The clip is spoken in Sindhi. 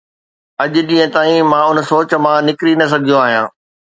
اڄ ڏينهن تائين مان ان سوچ مان نڪري نه سگهيو آهيان.